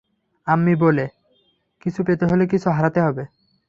আম্মি বলে, কিছু পেতে হলে কিছু হারাতে হবে।